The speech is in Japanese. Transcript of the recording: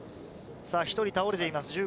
１人倒れています。